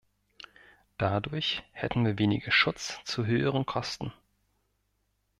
Dadurch hätten wir weniger Schutz zu höheren Kosten.